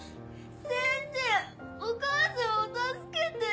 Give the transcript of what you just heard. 先生お母さんを助けて！